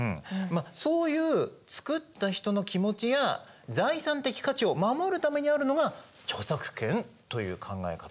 まあそういう作った人の気持ちや財産的価値を守るためにあるのが著作権という考え方です。